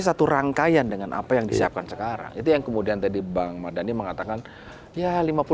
satu rangkaian dengan apa yang disiapkan sekarang itu yang kemudian tadi bang mardhani mengatakan ya